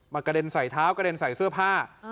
กระเด็นใส่เท้ากระเด็นใส่เสื้อผ้า